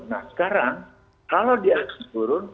nah sekarang kalau diakses turun